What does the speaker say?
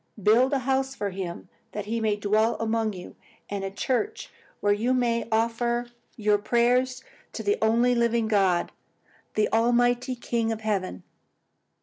Build a house for him that he may dwell among you, and a church where you may offer your prayers to the only living God, the Almighty King of Heaven.'"